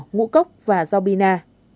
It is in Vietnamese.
ngũ cốc và giò bina